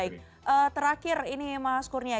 baik terakhir ini mas kurnia